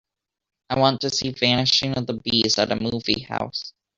I want to see Vanishing of the Bees at a movie house.